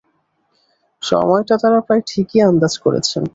সময়টা তারা প্রায় ঠিকই আন্দাজ করেছেন।